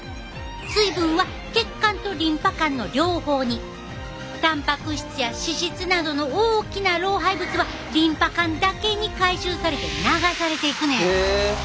水分は血管とリンパ管の両方にタンパク質や脂質などの大きな老廃物はリンパ管だけに回収されて流されていくねん。